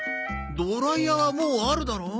ドライヤーはもうあるだろ。